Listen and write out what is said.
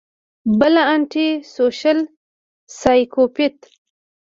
بل انټي سوشل سايکوپېت